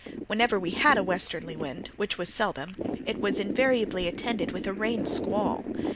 Whenever we had a westerly wind, which was seldom, it was invariably attended with a rain squall.